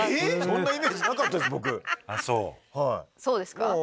そうですか？